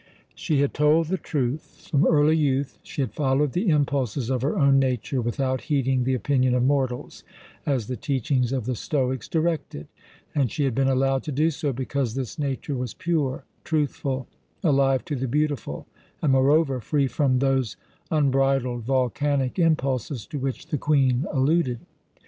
She had told the truth. From early youth she had followed the impulses of her own nature without heeding the opinion of mortals, as the teachings of the Stoics directed, and she had been allowed to do so because this nature was pure, truthful, alive to the beautiful, and, moreover, free from those unbridled, volcanic impulses to which the Queen alluded.